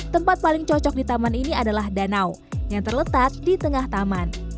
tempat paling cocok di taman ini adalah danau yang terletak di tengah taman